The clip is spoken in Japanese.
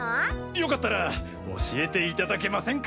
よかったら教えていただけませんか？